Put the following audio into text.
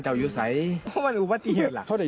กับผู้ที่ยาวตายเฉพาะ